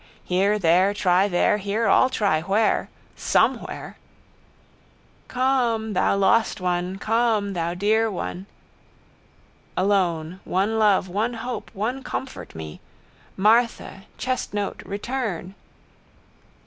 Here there try there here all try where. Somewhere. —Co ome, thou lost one! Co ome, thou dear one! Alone. One love. One hope. One comfort me. Martha, chestnote, return!